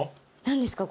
何ですか？